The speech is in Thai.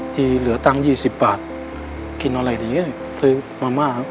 ที่เหลือตังค์๒๐บาทกินอะไรอย่างนี้ซื้อมาม่า